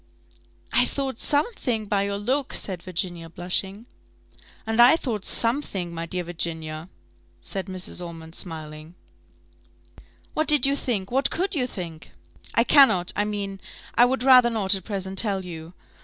"I thought something by your look," said Virginia, blushing. "And I thought something, my dear Virginia," said Mrs. Ormond, smiling. "What did you think? What could you think?" "I cannot I mean, I would rather not at present tell you.